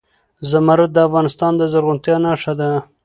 زمرد د افغانستان د زرغونتیا نښه ده.